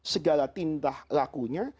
segala tindak lakunya